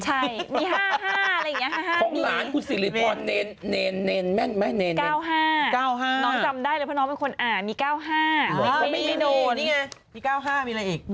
ใช่มี๕๕อะไรอย่างนี้